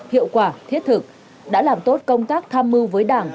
hiệu quả thiết thực đã làm tốt công tác tham mưu với đảng